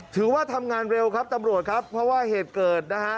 ถือว่าทำงานเร็วครับตำรวจครับเพราะว่าเหตุเกิดนะฮะ